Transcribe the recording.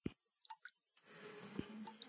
که څوک دومره زحمت ګالي نو حتماً څه شته